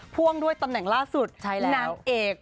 พ่วงด้วยตำแหน่งล่าสุดนางเอก